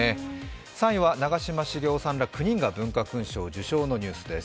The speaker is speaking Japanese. ３位は長嶋茂雄さんら９人が文化勲章受章のニュースです。